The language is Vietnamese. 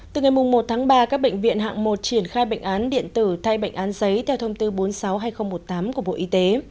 từ ngày một tháng ba các bệnh viện hạng một triển khai bệnh án điện tử thay bệnh án giấy theo thông tư bốn trăm sáu mươi hai nghìn một mươi tám của bộ y tế